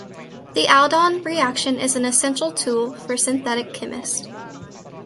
The aldol reaction is an essential tool for synthetic chemists.